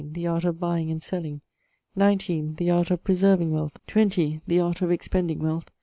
The Art of Buying and Selling. 19. The Art of Preserving Wealth. 20. The Art of Expending Wealth.